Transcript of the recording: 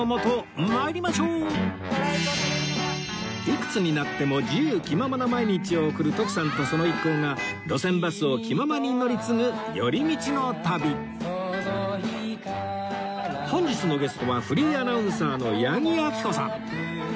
いくつになっても自由気ままな毎日を送る徳さんとその一行が路線バスを気ままに乗り継ぐ寄り道の旅本日のゲストはフリーアナウンサーの八木亜希子さん